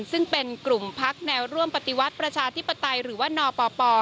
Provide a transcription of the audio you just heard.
ซึ่งเป็นกลุ่มพักแนวร่วมปฏิวัติประชาธิปไตยหรือว่านปป